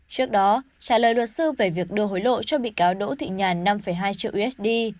trước đó trả lời luật sư về việc đưa hối lộ cho bị cáo đỗ thị nhàn năm hai triệu usd